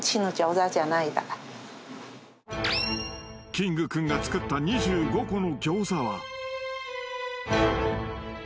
［キングくんが作った２５個の餃子は］